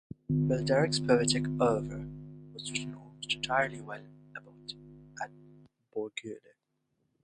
Balderic's poetic oeuvre was written almost entirely while abbot at Bourgueil.